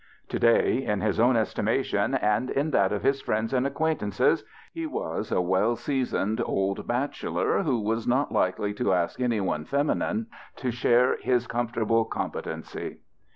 To day, in his own estimation and in that of his friends and acquaintances, he was 6 THE BACHELOR'S CHRISTMAS a well seasoned old baclielor who was not likely to ask any one feminine to share his comfortable competency.